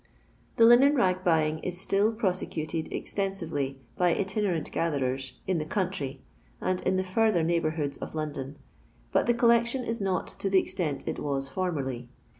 The linen rag buying is still prosecuted ezten flvdy by itinerant " gatherers" in the country, and in the further neighbourhoods of London, but the collection is not to the extent it was formerly.